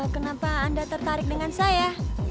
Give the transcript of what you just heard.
kenapa anda tertarik dengan saya